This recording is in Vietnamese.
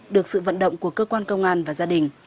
được sự vận động của cơ quan công an và gia đình